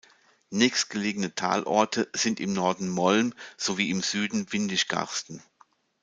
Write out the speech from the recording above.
Nächstgelegene Talorte sind im Norden Molln sowie im Süden Windischgarsten.